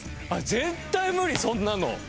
絶対無理そんなの。